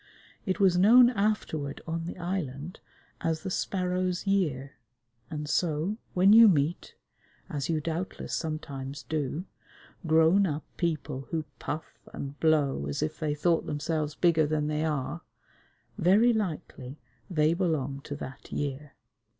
It was known afterward on the island as the Sparrows' Year, and so, when you meet, as you doubtless sometimes do, grown up people who puff and blow as if they thought themselves bigger than they are, very likely they belong to that year.